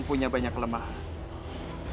aku punya banyak kelemahan